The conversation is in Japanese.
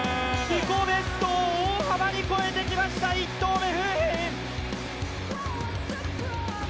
自己ベストを大幅に超えてきました、１投目、馮彬！